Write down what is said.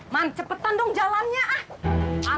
man cepetan dong jalannya